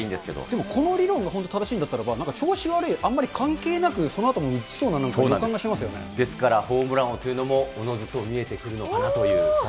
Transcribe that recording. でもこの理論が本当に正しいんだったらなんか調子悪い、あんまり関係なくそのあとも打ちそうだなっていう予感がしますよですからホームラン王というのも、おのずと見えてくるのかなと。